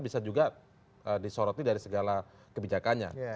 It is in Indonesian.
bisa juga disoroti dari segala kebijakannya